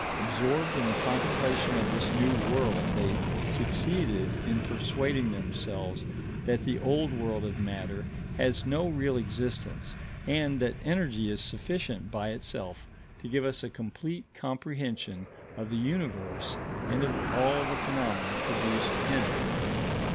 Absorbed in the contemplation of this new world, they succeed in persuading themselves that the old world of matter has no real existence and that energy is sufficient by itself to give us a complete comprehension of the Universe and of all the phenomena produced in it.